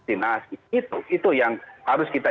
itu yang harus kita